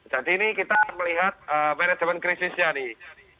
jadi ini kita akan melihat manajemen krisisnya nih